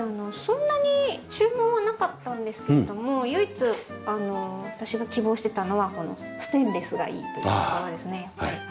そんなに注文はなかったんですけれども唯一私が希望してたのはこのステンレスがいいというところですね。